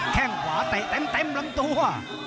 แค่งขวาเตะเต็มลำตัว